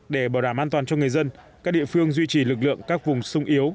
để bảo đảm an toàn cho người dân các địa phương duy trì lực lượng các vùng sung yếu